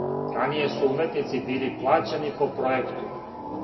Раније су уметници били плаћани по пројекту.